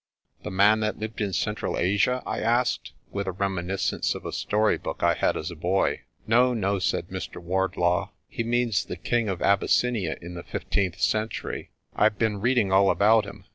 "The man that lived in Central Asia?" I asked, with a reminiscence of a story book I had as a boy. "No, no," said Mr. Wardlaw, "he means the king of Abyssinia in the fifteenth century. I've been reading all about him.